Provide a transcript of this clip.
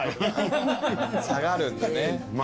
下がるんだね。